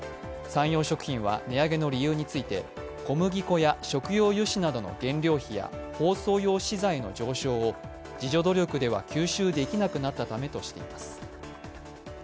サンヨー食品は、値上げの理由について、小麦粉や食用油脂などの原料費や包装用資材の上昇を自助努力では吸収できなくなったためとしています。